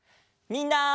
みんな！